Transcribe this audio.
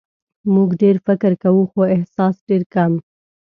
موږ ډېر فکر کوو خو احساس ډېر کم.